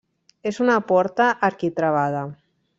És una porta arquitravada.